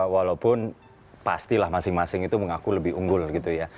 walaupun pastilah masing masing itu mengaku lebih unggul gitu ya